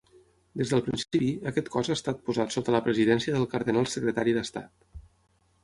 Des del principi, aquest cos ha estat posat sota la presidència del cardenal secretari d'Estat.